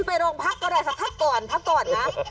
ไปโรงพักก็ได้ฮะฮะฮะก่อนนะคะ